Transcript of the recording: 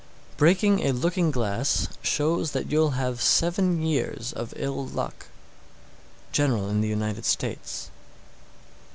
_ 710. Breaking a looking glass shows that you'll have seven years of ill luck. _General in the United States.